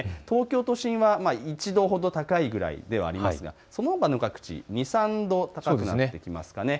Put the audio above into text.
東京都心は１度ほど高いぐらいではありますがそのほかの各地２、３度高くなっています。